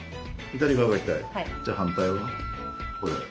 じゃあ反対は？